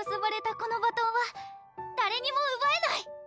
このバトンは誰にもうばえない！